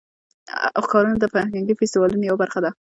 ښارونه د فرهنګي فستیوالونو یوه برخه ده.